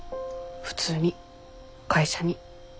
普通に会社に。